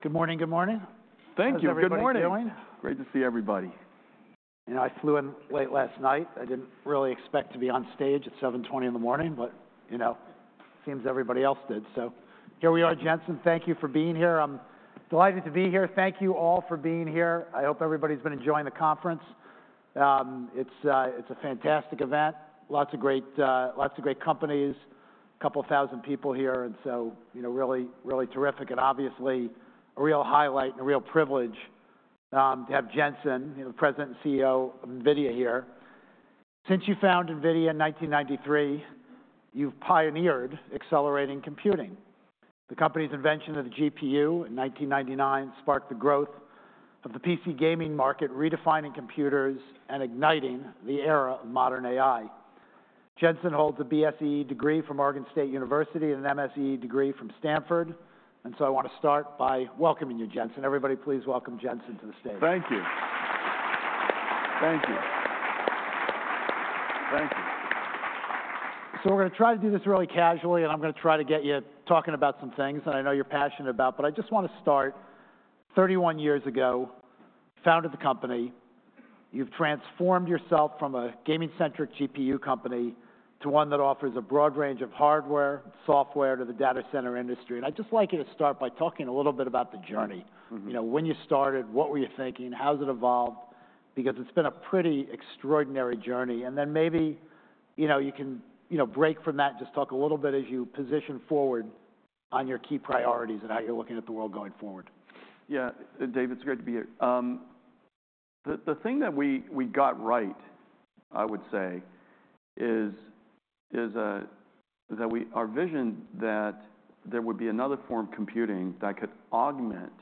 Good morning, good morning. Thank you. Good morning. How's everybody doing? Great to see everybody. You know, I flew in late last night. I didn't really expect to be on stage at 7:20 A.M., but, you know, seems everybody else did, so here we are. Jensen, thank you for being here. I'm delighted to be here. Thank you all for being here. I hope everybody's been enjoying the conference. It's a fantastic event. Lots of great companies, couple thousand people here, and so, you know, really, really terrific, and obviously, a real highlight and a real privilege to have Jensen, you know, President and CEO of NVIDIA, here. Since you founded NVIDIA in 1993, you've pioneered accelerated computing. The company's invention of the GPU in 1999 sparked the growth of the PC gaming market, redefining computers and igniting the era of modern AI. Jensen holds a BSE degree from Oregon State University and an MSE degree from Stanford, and so I want to start by welcoming you, Jensen. Everybody, please welcome Jensen to the stage. Thank you. Thank you. Thank you. So, we're gonna try to do this really casually, and I'm gonna try to get you talking about some things that I know you're passionate about. But I just wanna start. Thirty-one years ago, founded the company. You've transformed yourself from a gaming-centric GPU company to one that offers a broad range of hardware, software to the data center industry, and I'd just like you to start by talking a little bit about the journey. You know, when you started, what were you thinking? How has it evolved? Because it's been a pretty extraordinary journey, and then maybe, you know, you can, you know, break from that and just talk a little bit as you position forward on your key priorities and how you're looking at the world going forward. Yeah, Dave, it's great to be here. The thing that we got right, I would say, is that we-- our vision that there would be another form of computing that could augment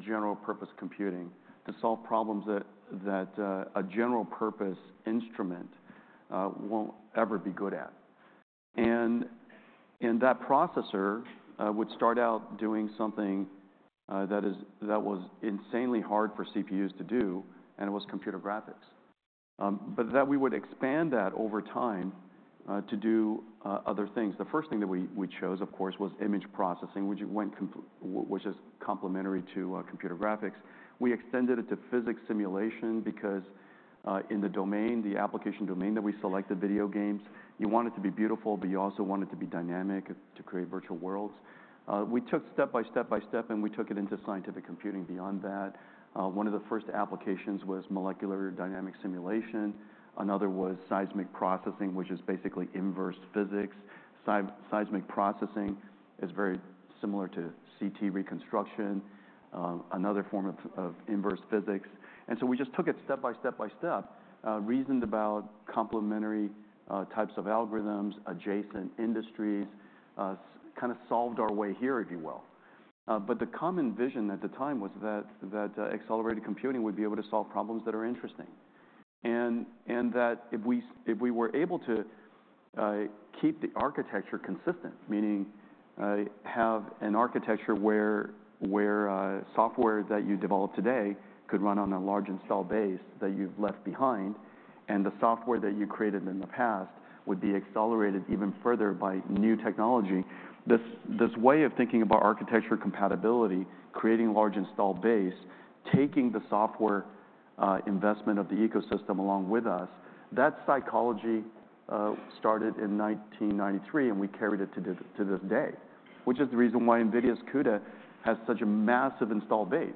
general purpose computing to solve problems that a general purpose instrument won't ever be good at. And that processor would start out doing something that was insanely hard for CPUs to do, and it was computer graphics. But that we would expand that over time to do other things. The first thing that we chose, of course, was image processing, which is complementary to computer graphics. We extended it to physics simulation, because, in the domain, the application domain that we selected, video games, you want it to be beautiful, but you also want it to be dynamic, to create virtual worlds. We took step by step by step, and we took it into scientific computing beyond that. One of the first applications was molecular dynamic simulation. Another was seismic processing, which is basically inverse physics. Seismic processing is very similar to CT reconstruction, another form of inverse physics. And so we just took it step by step by step, reasoned about complementary, types of algorithms, adjacent industries, kind of solved our way here, if you will. But the common vision at the time was that accelerated computing would be able to solve problems that are interesting. That if we were able to keep the architecture consistent, meaning, have an architecture where software that you develop today could run on a large install base that you've left behind, and the software that you created in the past would be accelerated even further by new technology. This way of thinking about architecture compatibility, creating large installed base, taking the software investment of the ecosystem along with us, that psychology started in 1993, and we carried it to this day, which is the reason why NVIDIA's CUDA has such a massive installed base,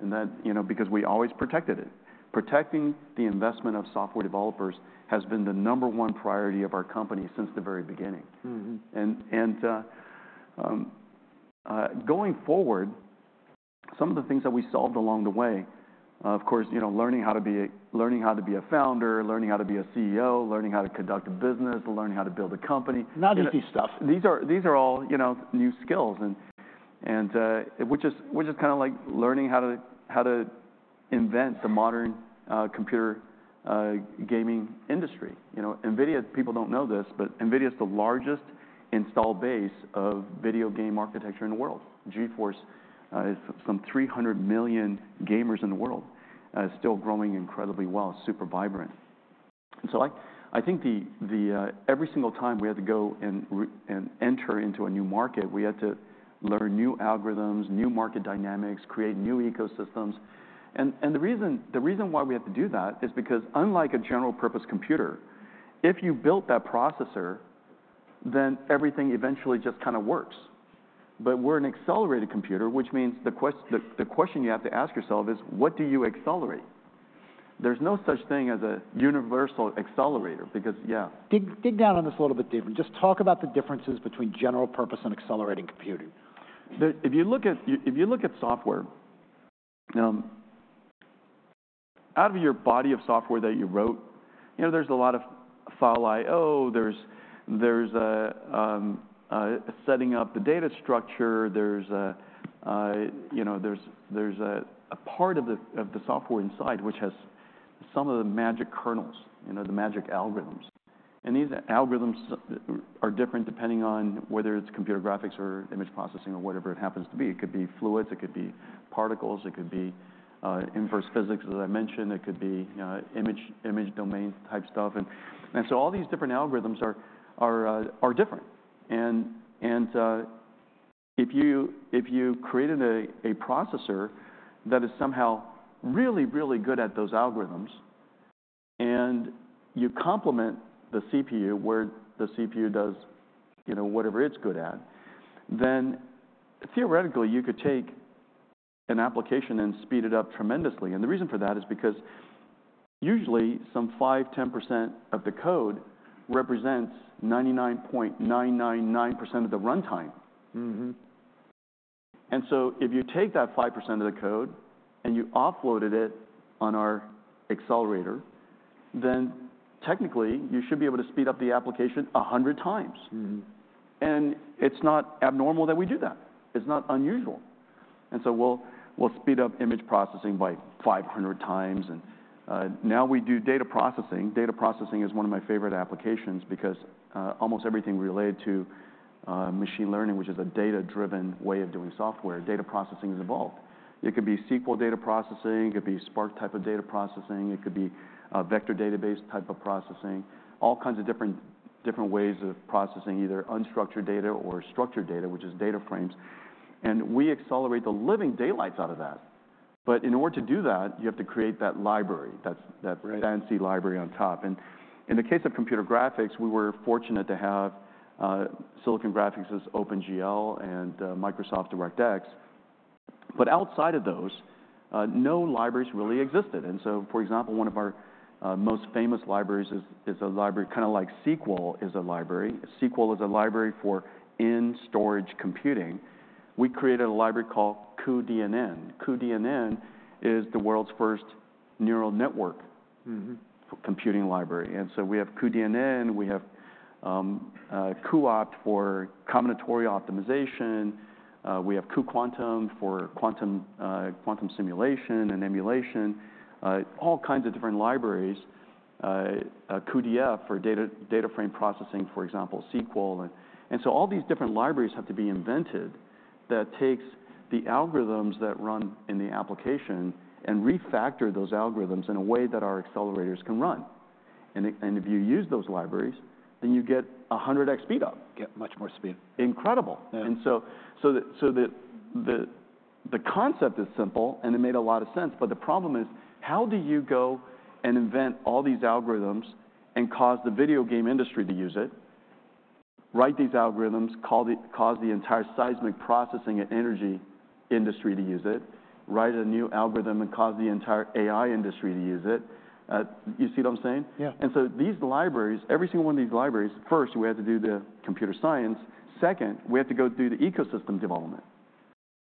and that, you know, because we always protected it. Protecting the investment of software developers has been the number one priority of our company since the very beginning. Going forward, some of the things that we solved along the way, of course, you know, learning how to be a founder, learning how to be a CEO, learning how to conduct a business, learning how to build a company. Not easy stuff. These are all, you know, new skills, and which is kind of like learning how to invent the modern computer gaming industry. You know, NVIDIA, people don't know this, but NVIDIA is the largest installed base of video game architecture in the world. GeForce is some 300 million gamers in the world, still growing incredibly well, super vibrant. So I think the... Every single time we had to go and re-enter into a new market, we had to learn new algorithms, new market dynamics, create new ecosystems. And the reason why we had to do that is because unlike a general-purpose computer, if you built that processor, then everything eventually just kind of works. But we're accelerated computing, which means the question you have to ask yourself is: What do you accelerate? There's no such thing as a universal accelerator, because yeah- Dig, dig down on this a little bit, David. Just talk about the differences between general-purpose and accelerated computing. If you look at software out of your body of software that you wrote, you know, there's a lot of file IO. There's setting up the data structure, there's a, you know, there's a part of the software inside which has some of the magic kernels, you know, the magic algorithms. And these algorithms are different depending on whether it's computer graphics or image processing or whatever it happens to be. It could be fluids, it could be particles, it could be inverse physics, as I mentioned, it could be image domain type stuff. And so all these different algorithms are different. If you created a processor that is somehow really good at those algorithms, and you complement the CPU, where the CPU does, you know, whatever it's good at, then theoretically, you could take an application and speed it up tremendously. The reason for that is because usually some 5%-10% of the code represents 99.999% of the runtime. And so if you take that 5% of the code, and you offloaded it on our accelerator, then technically, you should be able to speed up the application 100 times. It's not abnormal that we do that. It's not unusual. So we'll speed up image processing by five hundred times, and now we do data processing. Data processing is one of my favorite applications because almost everything related to machine learning, which is a data-driven way of doing software, data processing is involved. It could be SQL data processing, it could be Spark type of data processing, it could be a vector database type of processing, all kinds of different ways of processing, either unstructured data or structured data, which is data frames, and we accelerate the living daylights out of that. But in order to do that, you have to create that library, that. Right... fancy library on top. And in the case of computer graphics, we were fortunate to have Silicon Graphics' OpenGL and Microsoft DirectX. But outside of those, no libraries really existed. And so, for example, one of our most famous libraries is a library, kind of like SQL is a library. SQL is a library for in-storage computing. We created a library called cuDNN. cuDNN is the world's first neural network-... computing library. And so we have cuDNN, we have cuOPT for combinatorial optimization, we have cuQuantum for quantum simulation and emulation, all kinds of different libraries. cuDF for data frame processing, for example, SQL. And so all these different libraries have to be invented that takes the algorithms that run in the application and refactor those algorithms in a way that our accelerators can run. And if you use those libraries, then you get 100X speed up. Get much more speed. Incredible! Yeah. And so the concept is simple, and it made a lot of sense, but the problem is, how do you go and invent all these algorithms and cause the video game industry to use it, write these algorithms, cause the entire seismic processing and energy industry to use it, write a new algorithm, and cause the entire AI industry to use it? You see what I'm saying? Yeah. These libraries, every single one of these libraries, first, we had to do the computer science. Second, we had to go do the ecosystem development,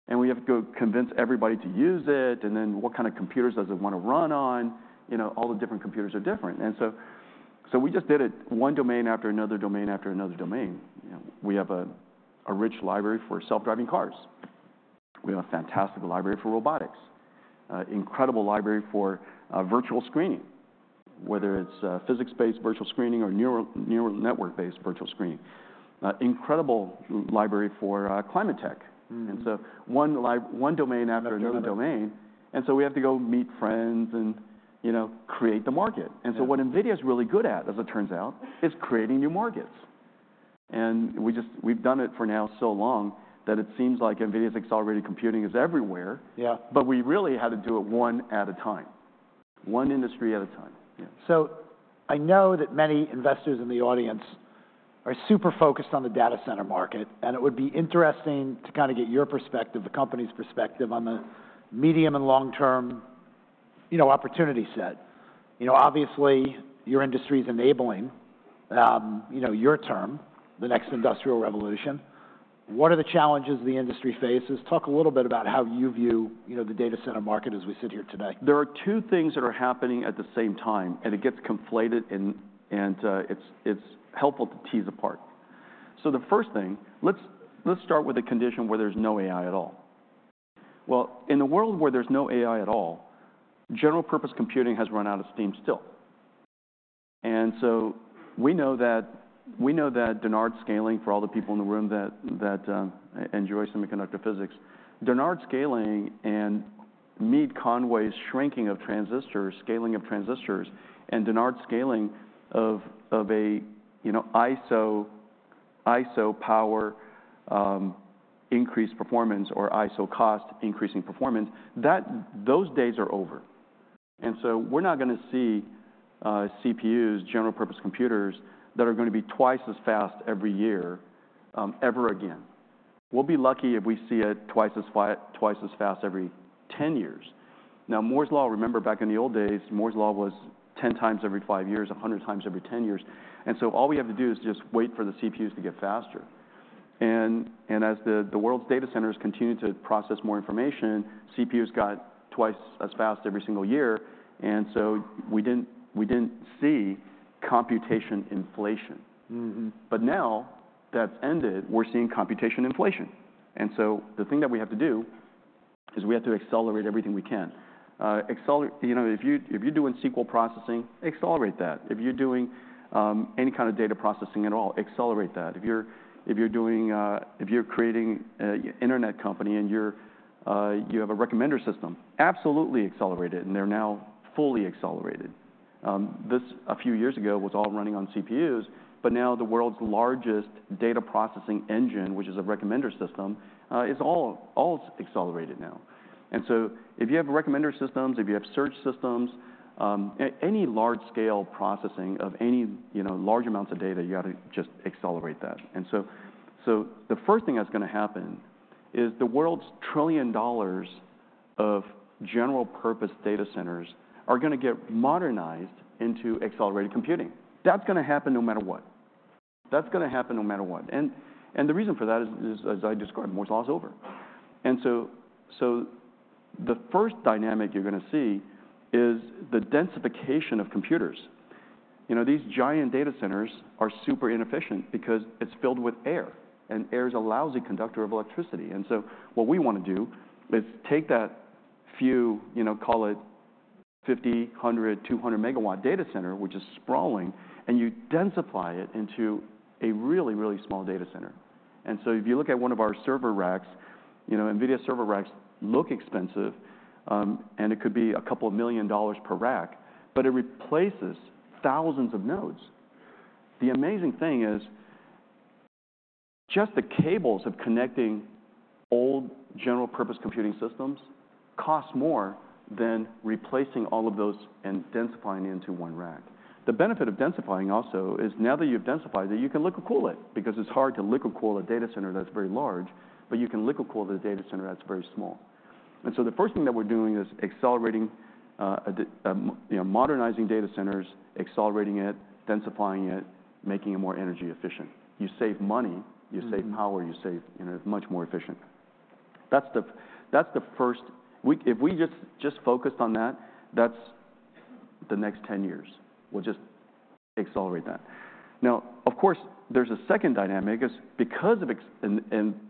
and we have to go convince everybody to use it, and then what kind of computers does it want to run on? You know, all the different computers are different. So we just did it one domain after another domain, after another domain. You know, we have a rich library for self-driving cars. We have a fantastic library for robotics, incredible library for virtual screening, whether it's physics-based virtual screening or neural network-based virtual screening. Incredible library for climate tech. One domain after another domain. Another domain. We have to go meet friends and, you know, create the market. Yeah. And so what NVIDIA's really good at, as it turns out, is creating new markets. And we've done it for so long now that it seems like NVIDIA's accelerated computing is everywhere. Yeah. But we really had to do it one at a time, one industry at a time. Yeah. So I know that many investors in the audience are super focused on the data center market, and it would be interesting to kind of get your perspective, the company's perspective, on the medium and long-term, you know, opportunity set. You know, obviously, your industry is enabling, you know, your term, the next industrial revolution. What are the challenges the industry faces? Talk a little bit about how you view, you know, the data center market as we sit here today. There are two things that are happening at the same time, and it gets conflated, and it's helpful to tease apart. The first thing, let's start with a condition where there's no AI at all. In a world where there's no AI at all, general-purpose computing has run out of steam still. We know that Dennard scaling, for all the people in the room that enjoy semiconductor physics, Dennard scaling and Mead-Conway's shrinking of transistors, scaling of transistors, and Dennard scaling of a you know iso power increased performance or iso cost increasing performance, that those days are over. We're not gonna see CPUs, general-purpose computers, that are gonna be twice as fast every year ever again. We'll be lucky if we see it twice as fast every ten years. Now, Moore's Law, remember, back in the old days, Moore's Law was ten times every five years, a hundred times every ten years, and so all we have to do is just wait for the CPUs to get faster, and as the world's data centers continue to process more information, CPUs got twice as fast every single year, and so we didn't see computation inflation. But now that's ended. We're seeing computation inflation, and so the thing that we have to do is we have to accelerate everything we can. You know, if you're doing SQL processing, accelerate that. If you're doing any kind of data processing at all, accelerate that. If you're creating an internet company, and you have a recommender system, absolutely accelerate it, and they're now fully accelerated. This, a few years ago, was all running on CPUs, but now the world's largest data processing engine, which is a recommender system, is all accelerated now. And so if you have recommender systems, if you have search systems, any large-scale processing of any large amounts of data, you gotta just accelerate that. And so the first thing that's gonna happen is the world's $1 trillion of general-purpose data centers are gonna get modernized into accelerated computing. That's gonna happen no matter what. That's gonna happen no matter what. And the reason for that is, as I described, Moore's Law is over. And so the first dynamic you're gonna see is the densification of computers. You know, these giant data centers are super inefficient because it's filled with air, and air is a lousy conductor of electricity. And so what we wanna do is take that few, you know, call it 50, 100, 200-megawatt data center, which is sprawling, and you densify it into a really, really small data center. And so if you look at one of our server racks, you know, NVIDIA server racks look expensive, and it could be $2 million per rack, but it replaces thousands of nodes. The amazing thing is just the cables of connecting old general-purpose computing systems costs more than replacing all of those and densifying into one rack. The benefit of densifying also is, now that you've densified it, you can liquid cool it because it's hard to liquid cool a data center that's very large, but you can liquid cool the data center that's very small. And so the first thing that we're doing is accelerating, you know, modernizing data centers, accelerating it, densifying it, making it more energy efficient. You save money, you save power. You save, you know, much more efficient. That's the first. If we just focused on that, that's the next ten years. We'll just accelerate that. Now, of course, there's a second dynamic is because of and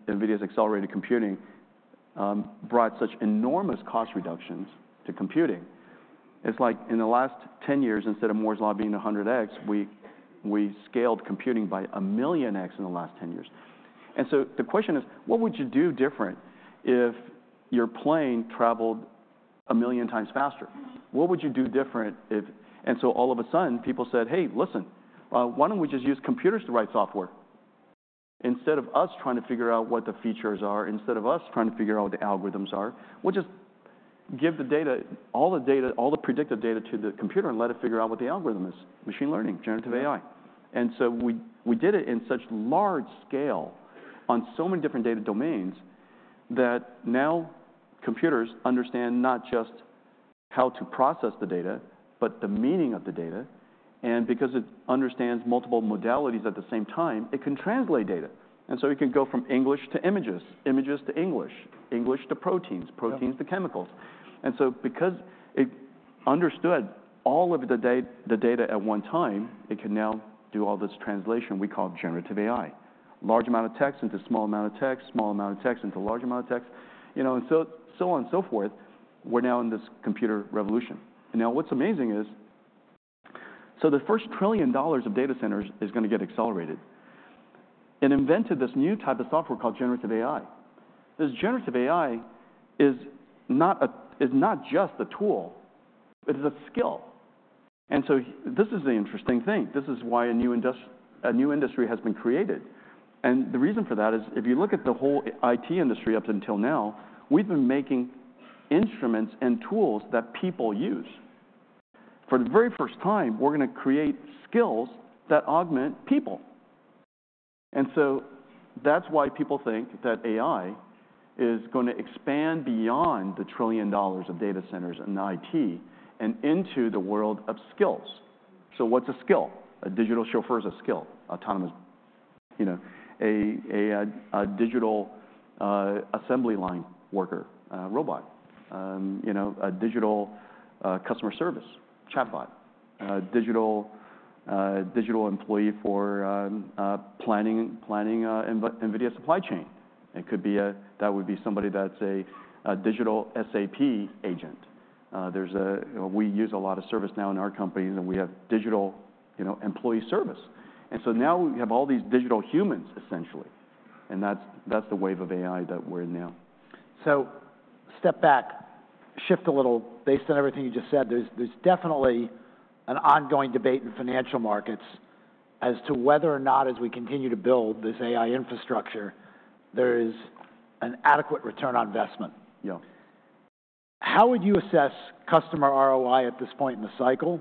NVIDIA's accelerated computing brought such enormous cost reductions to computing. It's like in the last ten years, instead of Moore's Law being one hundred X, we scaled computing by a million X in the last ten years. And so the question is: What would you do different if your plane traveled a million times faster? What would you do different if. And so all of a sudden, people said, "Hey, listen, why don't we just use computers to write software? Instead of us trying to figure out what the features are, instead of us trying to figure out what the algorithms are, we'll just give the data, all the data, all the predictive data to the computer and let it figure out what the algorithm is. Machine learning, generative AI. And so we, we did it in such large scale on so many different data domains, that now computers understand not just how to process the data, but the meaning of the data, and because it understands multiple modalities at the same time, it can translate data. And so it can go from English to images, images to English, English to proteins- Yeah. Proteins to chemicals. And so because it understood all of the data at one time, it can now do all this translation we call generative AI. Large amount of text into small amount of text, small amount of text into large amount of text, you know, and so, so on and so forth. We're now in this computer revolution. And now what's amazing is... So the first $1 trillion of data centers is gonna get accelerated. It invented this new type of software called generative AI. This generative AI is not just a tool, it is a skill. And so this is the interesting thing. This is why a new industry has been created. And the reason for that is, if you look at the whole IT industry up until now, we've been making instruments and tools that people use. For the very first time, we're gonna create skills that augment people. And so that's why people think that AI is gonna expand beyond the $1 trillion of data centers and IT, and into the world of skills. So what's a skill? A digital chauffeur is a skill, autonomous, you know. A digital assembly line worker robot. You know, a digital customer service chatbot. Digital employee for planning NVIDIA's supply chain. It could be a-- That would be somebody that's a digital SAP agent. You know, we use a lot of ServiceNow in our company, and we have digital, you know, employee service. And so now we have all these digital humans, essentially, and that's the wave of AI that we're in now. So, step back, shift a little. Based on everything you just said, there's definitely an ongoing debate in financial markets as to whether or not, as we continue to build this AI infrastructure, there is an adequate return on investment. Yeah. How would you assess customer ROI at this point in the cycle?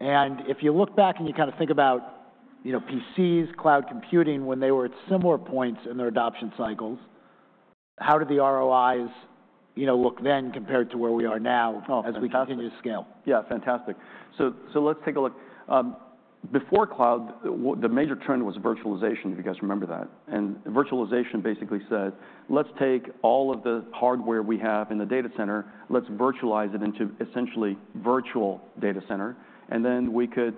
And if you look back and you kinda think about, you know, PCs, cloud computing, when they were at similar points in their adoption cycles, how did the ROIs, you know, look then compared to where we are now? Oh, fantastic... as we continue to scale? Yeah, fantastic. So let's take a look. Before cloud, the major trend was virtualization, if you guys remember that. And virtualization basically said: Let's take all of the hardware we have in the data center, let's virtualize it into essentially virtual data center, and then we could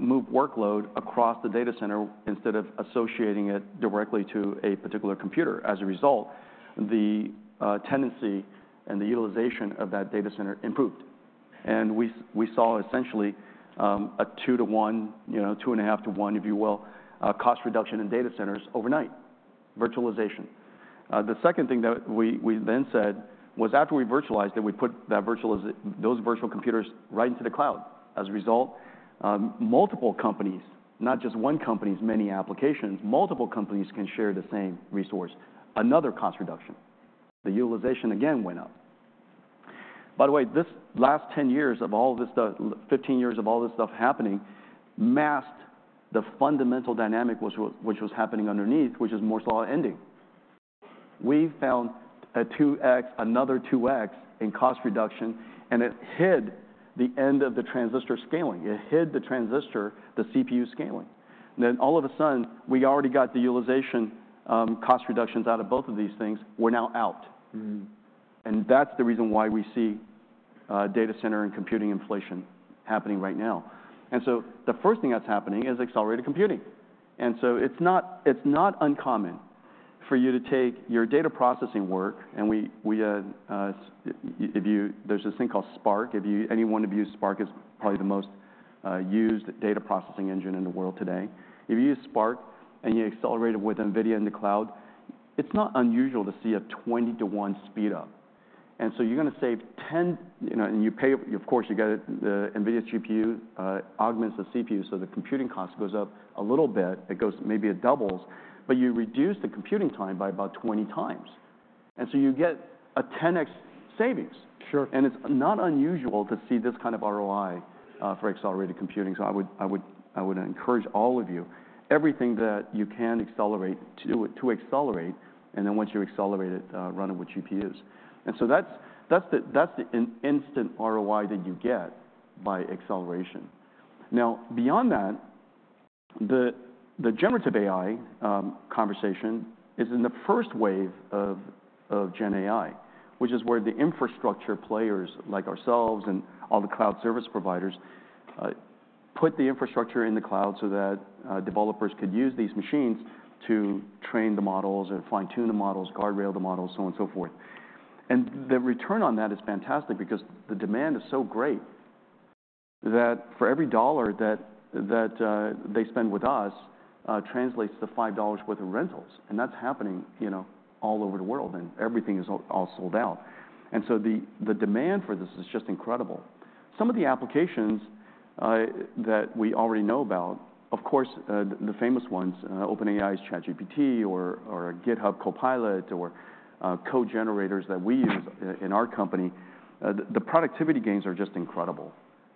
move workload across the data center instead of associating it directly to a particular computer. As a result, the tendency and the utilization of that data center improved. And we saw essentially a two to one, you know, two and a half to one, if you will, cost reduction in data centers overnight, virtualization. The second thing that we then said was after we virtualized it, we put those virtual computers right into the cloud. As a result, multiple companies, not just one company's many applications, multiple companies can share the same resource. Another cost reduction. The utilization, again, went up. By the way, this last 10 years of all this stuff, 15 years of all this stuff happening, masked the fundamental dynamic which was happening underneath, which is Moore's Law ending. We found a 2X, another 2X in cost reduction, and it hid the end of the transistor scaling. It hid the transistor, the CPU scaling. Then all of a sudden, we already got the utilization, cost reductions out of both of these things, we're now out. And that's the reason why we see data center and computing inflation happening right now. And so the first thing that's happening is accelerated computing. And so it's not uncommon for you to take your data processing work, and there's this thing called Spark. If you, anyone who's used Spark, it's probably the most used data processing engine in the world today. If you use Spark and you accelerate it with NVIDIA in the cloud, it's not unusual to see a 20-to-1 speed up. And so you're gonna save 10, you know, and you pay. Of course, you got it, the NVIDIA GPU augments the CPU, so the computing cost goes up a little bit. It goes, maybe it doubles, but you reduce the computing time by about 20 times, and so you get a 10x savings. Sure. And it's not unusual to see this kind of ROI for accelerated computing. So I would encourage all of you, everything that you can accelerate, to accelerate, and then once you accelerate it, run it with GPUs. And so that's the instant ROI that you get by acceleration. Now, beyond that, the generative AI conversation is in the first wave of gen AI, which is where the infrastructure players like ourselves and all the cloud service providers put the infrastructure in the cloud so that developers could use these machines to train the models or fine-tune the models, guardrail the models, so on and so forth. And the return on that is fantastic because the demand is so great, that for every $1 that they spend with us translates to $5 worth of rentals. And that's happening, you know, all over the world, and everything is all sold out. And so the demand for this is just incredible. Some of the applications that we already know about, of course, the famous ones, OpenAI's ChatGPT or GitHub Copilot, or code generators that we use in our company, the productivity gains are just incredible.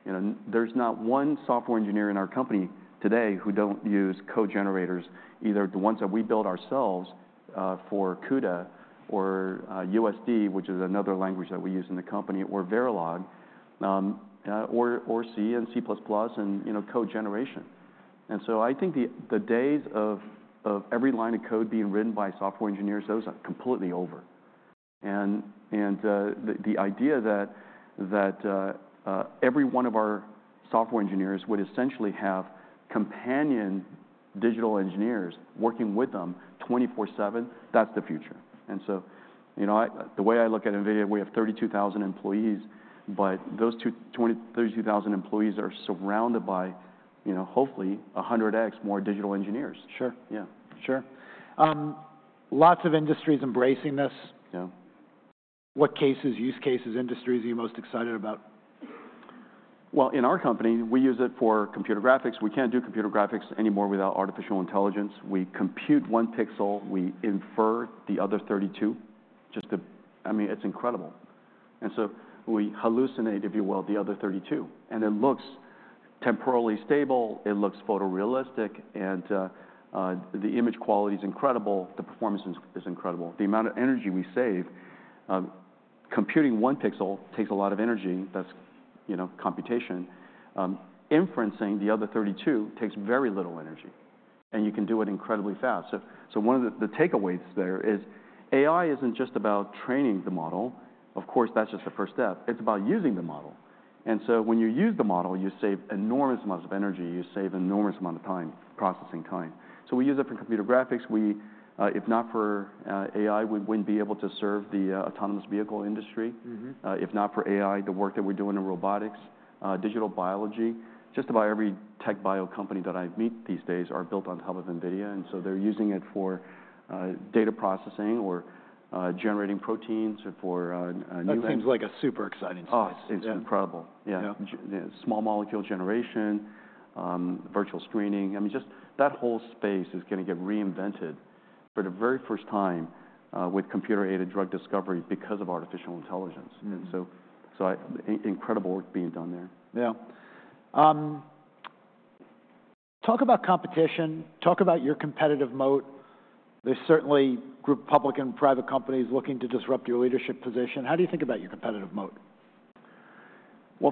You know, there's not one software engineer in our company today who don't use code generators, either the ones that we build ourselves, for CUDA or, USD, which is another language that we use in the company, or Verilog, or C and C++, and, you know, code generation. And so I think the days of every line of code being written by software engineers, those are completely over. And the idea that every one of our software engineers would essentially have companion digital engineers working with them 24/7, that's the future. And so, you know, I the way I look at NVIDIA, we have 32,000 employees, but those 32,000 employees are surrounded by, you know, hopefully 100X more digital engineers. Sure. Yeah. Sure. Lots of industries embracing this. Yeah. What cases, use cases, industries are you most excited about? In our company, we use it for computer graphics. We can't do computer graphics anymore without artificial intelligence. We compute one pixel, we infer the other thirty-two just to... I mean, it's incredible. And so we hallucinate, if you will, the other thirty-two, and it looks temporally stable, it looks photorealistic, and the image quality is incredible. The performance is incredible. The amount of energy we save, computing one pixel takes a lot of energy. That's, you know, computation. Inferencing the other thirty-two takes very little energy, and you can do it incredibly fast. One of the takeaways there is AI isn't just about training the model. Of course, that's just the first step. It's about using the model. And so when you use the model, you save enormous amounts of energy, you save enormous amount of time, processing time. So we use it for computer graphics. We, if not for AI, we wouldn't be able to serve the autonomous vehicle industry. If not for AI, the work that we're doing in robotics, digital biology, just about every tech bio company that I meet these days are built on top of NVIDIA, and so they're using it for data processing or generating proteins or for new- That seems like a super exciting space. Oh, it's incredible. Yeah. Yeah. Small molecule generation, virtual screening. I mean, just that whole space is gonna get reinvented for the very first time, with computer-aided drug discovery because of artificial intelligence. Incredible work being done there. Yeah. Talk about competition, talk about your competitive moat. There's certainly groups of public and private companies looking to disrupt your leadership position. How do you think about your competitive moat?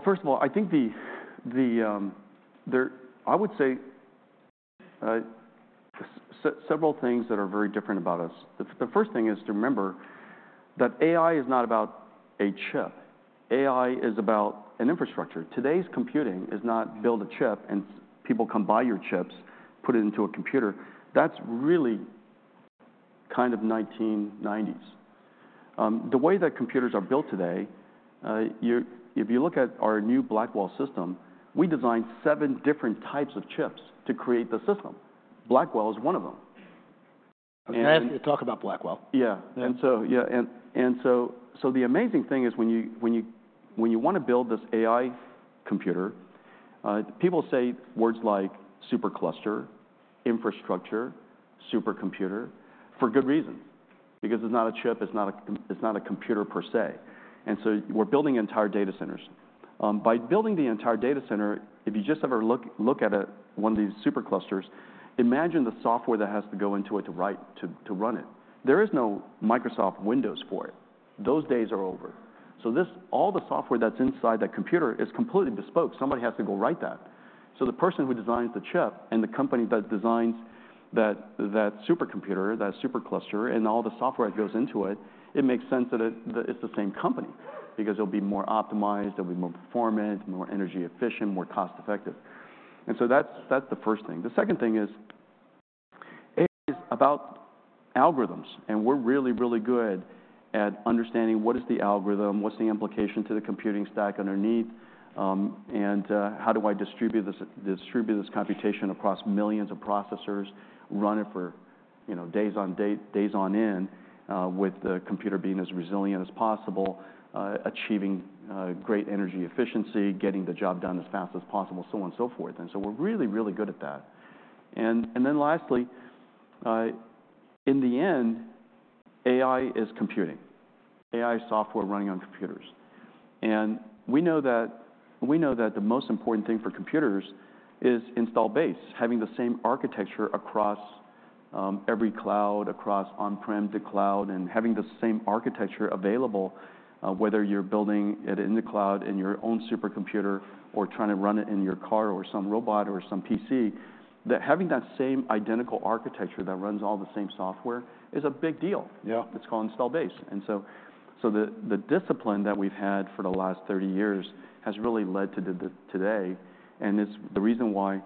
First of all, I think I would say several things that are very different about us. The first thing is to remember that AI is not about a chip. AI is about an infrastructure. Today's computing is not build a chip, and people come buy your chips, put it into a computer. That's really kind of 1990s. The way that computers are built today, if you look at our new Blackwell system, we designed seven different types of chips to create the system. Blackwell is one of them. And Can I have you talk about Blackwell? Yeah. Yeah. The amazing thing is when you want to build this AI computer. People say words like supercluster, infrastructure, supercomputer for good reason. Because it's not a chip. It's not a computer per se, and so we're building entire data centers. By building the entire data center, if you just ever look at it, one of these superclusters, imagine the software that has to go into it to run it. There is no Microsoft Windows for it. Those days are over. So this, all the software that's inside that computer is completely bespoke. Somebody has to go write that. So the person who designs the chip and the company that designs that, that supercomputer, that supercluster, and all the software that goes into it, it makes sense that it, that it's the same company, because it'll be more optimized, it'll be more performant, more energy efficient, more cost effective. And so that's the first thing. The second thing is, AI is about algorithms, and we're really, really good at understanding what is the algorithm, what's the implication to the computing stack underneath, and how do I distribute this computation across millions of processors, run it for, you know, days on end, with the computer being as resilient as possible, achieving great energy efficiency, getting the job done as fast as possible, so on and so forth. And so we're really, really good at that. Then lastly, in the end, AI is computing. AI is software running on computers. We know that, we know that the most important thing for computers is installed base, having the same architecture across every cloud, across on-prem to cloud, and having the same architecture available, whether you're building it in the cloud, in your own supercomputer, or trying to run it in your car or some robot or some PC, that having that same identical architecture that runs all the same software is a big deal. Yeah. It's called installed base. And so the discipline that we've had for the last thirty years has really led to today, and it's the reason why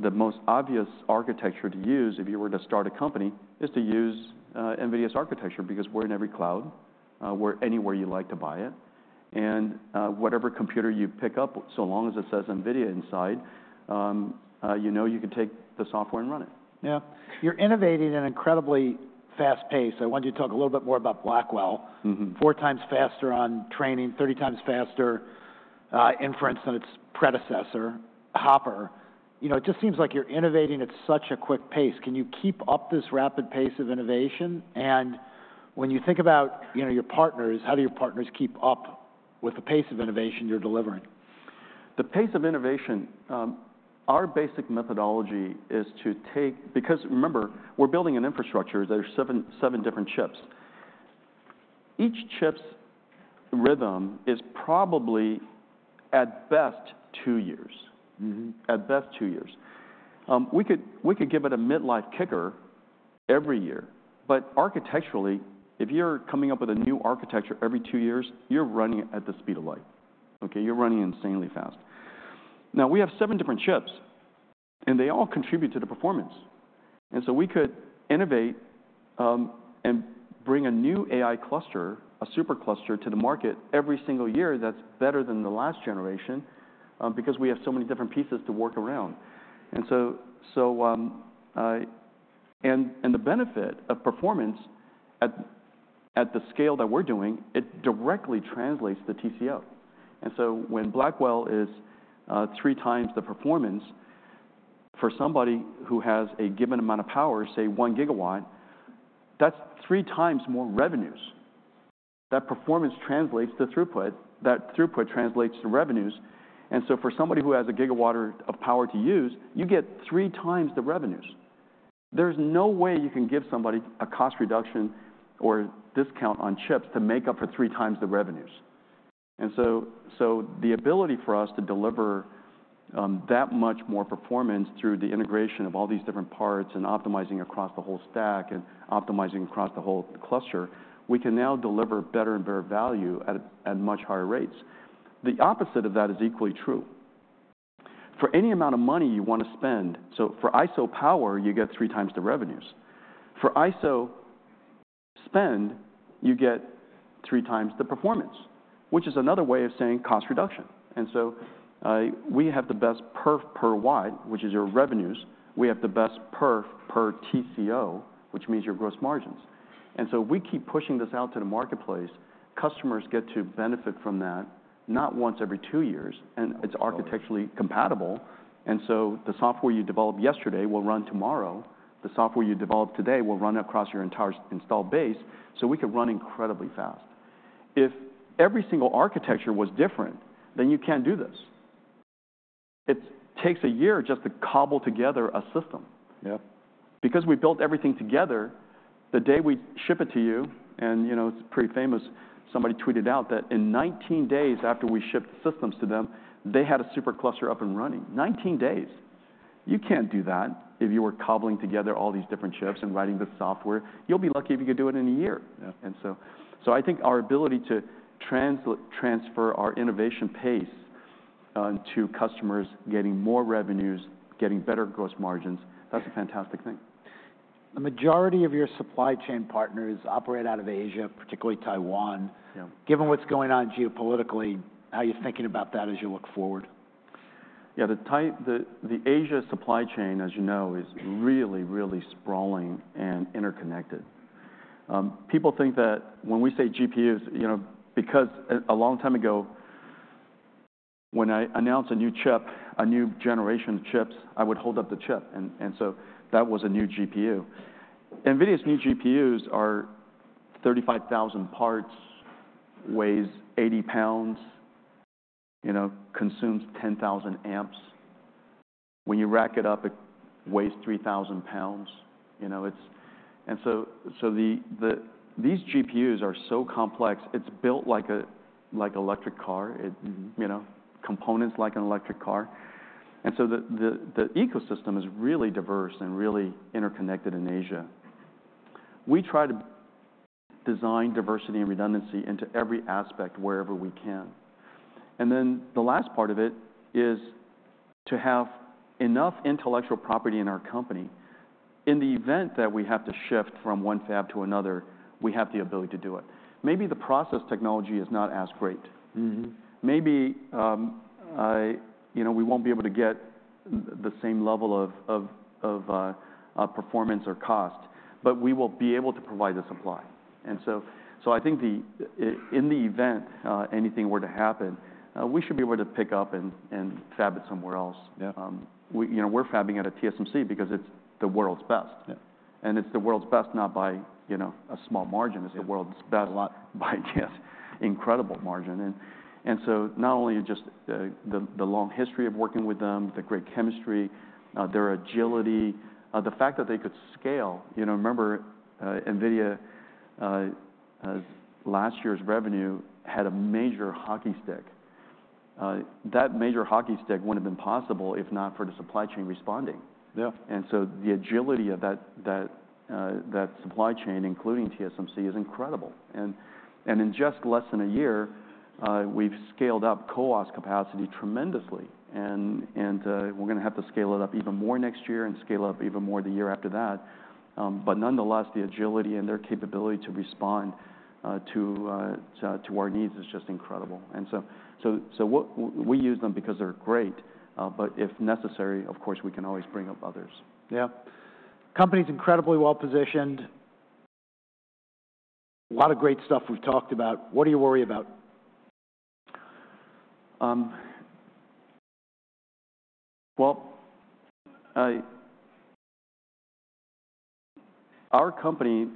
the most obvious architecture to use if you were to start a company is to use NVIDIA's architecture, because we're in every cloud, we're anywhere you'd like to buy it, and whatever computer you pick up, so long as it says NVIDIA inside, you know you can take the software and run it. Yeah. You're innovating at an incredibly fast pace. I want you to talk a little bit more about Blackwell. Four times faster on training, thirty times faster, inference than its predecessor, Hopper. You know, it just seems like you're innovating at such a quick pace. Can you keep up this rapid pace of innovation? And when you think about, you know, your partners, how do your partners keep up with the pace of innovation you're delivering? The pace of innovation, our basic methodology is to take... Because remember, we're building an infrastructure. There are seven, seven different chips. Each chip's rhythm is probably, at best, two years. At best, two years. We could give it a midlife kicker every year, but architecturally, if you're coming up with a new architecture every two years, you're running it at the speed of light, okay? You're running insanely fast. Now, we have seven different chips, and they all contribute to the performance, and so we could innovate and bring a new AI cluster, a supercluster, to the market every single year that's better than the last generation because we have so many different pieces to work around. And the benefit of performance at the scale that we're doing, it directly translates to TCO. And so when Blackwell is three times the performance, for somebody who has a given amount of power, say one gigawatt, that's three times more revenues. That performance translates to throughput, that throughput translates to revenues, and so for somebody who has a gigawatt of power to use, you get three times the revenues. There's no way you can give somebody a cost reduction or discount on chips to make up for three times the revenues, and the ability for us to deliver that much more performance through the integration of all these different parts and optimizing across the whole stack, and optimizing across the whole cluster, we can now deliver better and better value at much higher rates. The opposite of that is equally true. For any amount of money you want to spend, so for ISO Power, you get three times the revenues. For ISO Spend, you get three times the performance, which is another way of saying cost reduction. And so, we have the best perf per watt, which is your revenues. We have the best perf per TCO, which means your gross margins. And so we keep pushing this out to the marketplace. Customers get to benefit from that, not once every two years, and it's architecturally compatible, and so the software you developed yesterday will run tomorrow. The software you develop today will run across your entire install base, so we can run incredibly fast. If every single architecture was different, then you can't do this. It takes a year just to cobble together a system. Yeah. Because we built everything together, the day we ship it to you, and, you know, it's pretty famous, somebody tweeted out that in nineteen days after we shipped the systems to them, they had a supercluster up and running. Nineteen days. You can't do that if you were cobbling together all these different chips and writing the software. You'll be lucky if you could do it in a year. Yeah. I think our ability to transfer our innovation pace onto customers getting more revenues, getting better gross margins, that's a fantastic thing. The majority of your supply chain partners operate out of Asia, particularly Taiwan. Yeah. Given what's going on geopolitically, how are you thinking about that as you look forward? Yeah, the Asia supply chain, as you know, is really, really sprawling and interconnected. People think that when we say GPUs, you know, because a long time ago, when I announced a new chip, a new generation of chips, I would hold up the chip, and so that was a new GPU. NVIDIA's new GPUs are 35,000 parts, weighs 80 pounds, you know, consumes 10,000 amps. When you rack it up, it weighs 3,000 pounds, you know, it's. And so these GPUs are so complex, it's built like a like electric car. It, you know, components like an electric car. And so the ecosystem is really diverse and really interconnected in Asia. We try to design diversity and redundancy into every aspect wherever we can. The last part of it is to have enough intellectual property in our company, in the event that we have to shift from one fab to another, we have the ability to do it. Maybe the process technology is not as great. Maybe, you know, we won't be able to get the same level of performance or cost, but we will be able to provide the supply, and so I think in the event anything were to happen, we should be able to pick up and fab it somewhere else. Yeah. We, you know, we're fabbing at TSMC because it's the world's best. Yeah. It's the world's best not by, you know, a small margin- Yeah... it's the world's best a lot by just incredible margin. And so not only just the long history of working with them, the great chemistry, their agility, the fact that they could scale. You know, remember, NVIDIA, last year's revenue had a major hockey stick. That major hockey stick wouldn't have been possible if not for the supply chain responding. Yeah. And so the agility of that supply chain, including TSMC, is incredible. And in just less than a year, we've scaled up CoWoS capacity tremendously, and we're gonna have to scale it up even more next year and scale up even more the year after that. But nonetheless, the agility and their capability to respond to our needs is just incredible. And so what we use them because they're great, but if necessary, of course, we can always bring up others. Yeah. Company's incredibly well-positioned. A lot of great stuff we've talked about. What do you worry about? Our company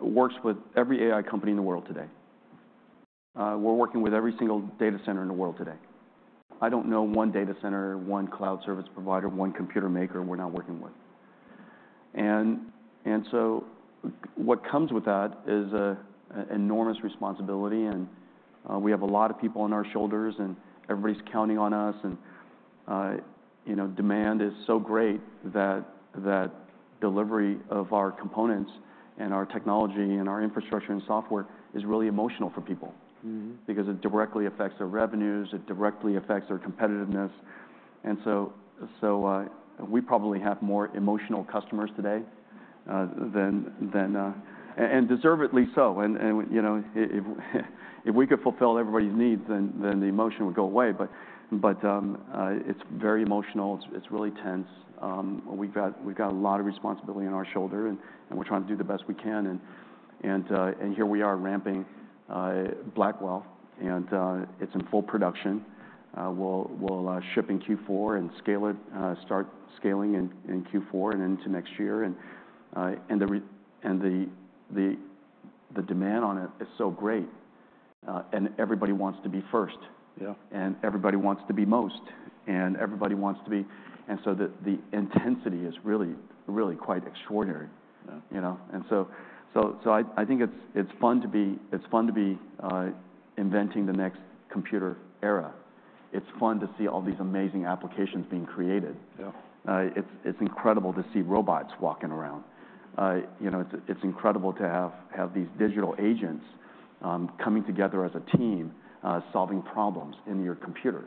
works with every AI company in the world today. We're working with every single data center in the world today. I don't know one data center, one cloud service provider, one computer maker we're not working with. And so what comes with that is an enormous responsibility, and we have a lot of people on our shoulders, and everybody's counting on us, and you know, demand is so great that delivery of our components and our technology and our infrastructure and software is really emotional for people. Because it directly affects their revenues, it directly affects their competitiveness. And so we probably have more emotional customers today than. And deservedly so. And you know, if we could fulfill everybody's needs, then the emotion would go away. But it's very emotional, it's really tense. We've got a lot of responsibility on our shoulder, and we're trying to do the best we can. And here we are ramping Blackwell, and it's in full production. We'll ship in Q4 and scale it, start scaling in Q4 and into next year. And the demand on it is so great, and everybody wants to be first- Yeah... and everybody wants to be the most, and so the intensity is really, really quite extraordinary. Yeah. You know? And so, I think it's fun to be inventing the next computer era. It's fun to see all these amazing applications being created. Yeah. It's incredible to see robots walking around. You know, it's incredible to have these digital agents coming together as a team, solving problems in your computer.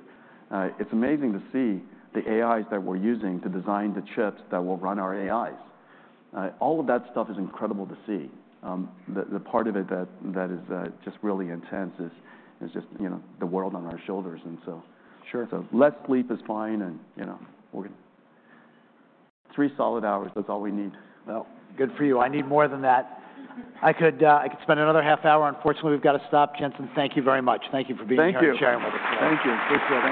It's amazing to see the AIs that we're using to design the chips that will run our AIs. All of that stuff is incredible to see. The part of it that is just really intense is just, you know, the world on our shoulders, and so- Sure... so less sleep is fine and, you know, three solid hours, that's all we need. Good for you. I need more than that. I could spend another half hour. Unfortunately, we've got to stop. Jensen, thank you very much. Thank you for being here. Thank you... and sharing with us today. Thank you. Appreciate it. Thank you.